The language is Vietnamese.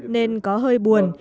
nên có hơi buồn